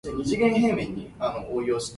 椅條